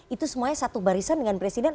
itu semuanya satu barisan dengan presiden